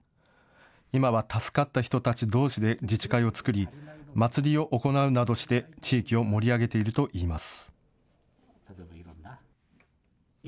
今は助かった人たちどうしで自治会を作り祭りを行うなどして地域を盛り上げているといいます。